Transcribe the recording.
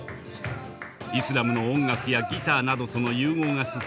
イスラムの音楽やギターなどとの融合が進み